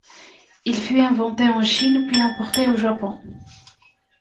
Il fut inventé en Chine puis importé au Japon.